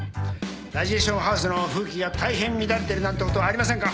ラジエーションハウスの風紀が大変乱れてるなんてことありませんか？